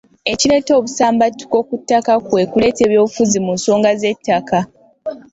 Ekireeta obusambattuko ku ttaka kwe kuleeta ebyobufuzi mu nsonga z’ettaka.